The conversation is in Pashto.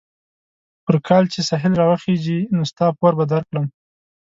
پر کال چې سهيل را وخېژي؛ نو ستا پور به در کړم.